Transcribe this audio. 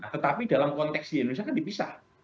tetapi dalam konteks di indonesia kan dipisah